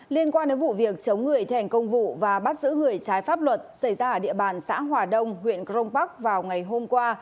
liên quan đến vụ việc chống người thi hành công vụ và bắt giữ người trái pháp luật xảy ra ở địa bàn xã hòa đông huyện crong park vào ngày hôm qua